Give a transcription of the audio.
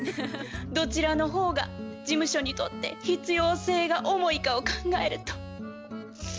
どちらの方が事務所にとって必要性が重いかを考えると納得でけんわ！